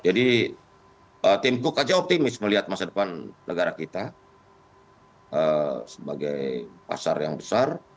jadi tim kuk saja optimis melihat masa depan negara kita sebagai pasar yang besar